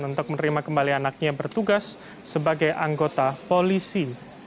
untuk menerima kembali anaknya bertugas sebagai anggota polisi